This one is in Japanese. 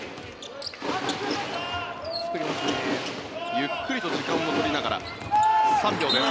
ゆっくりと時間を取りながら３秒です。